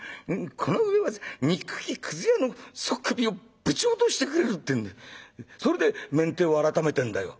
この上はにっくきくず屋の首をぶち落としてくれる』ってんでそれで面体をあらためてんだよ」。